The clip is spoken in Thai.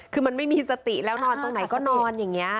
คือมันไม่มีสติแล้วนอนตรงไหนก็นอนอย่างนี้